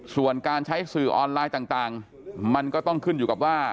ส่วนการใช้สื่อออนไลน์ต่างมันก็ต้องขึ้นอยู่กับว่า